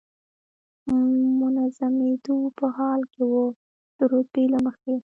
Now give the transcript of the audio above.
منظمېدو په حال کې و، د رتبې له مخې.